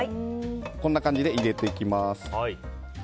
こんな感じで入れていきます。